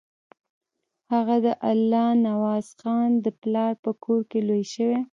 هغه د الله نوازخان د پلار په کور کې لوی شوی.